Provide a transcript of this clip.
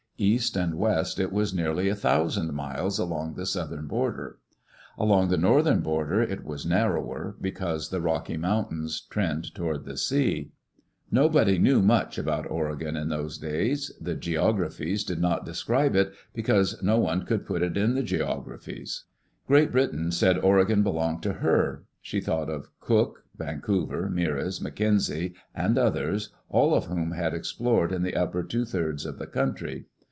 East and west it was nearly a thousand miles along the southern border. Along the northern border it was narrower, because the Rocky Mountains trend toward the sea. Nobody knew much about Oregon in those days. The ^, Digitized by VjOOQ LC EARLY DAYS IN OLD OREGON geographies did not describe it, because no one could put it in the geographies. Great Britain said Oregon belonged to her. She thought of Cook, Vancouver, Meares, McKenzie, and others, all of whom had explored in the upper two thirds of the coun try.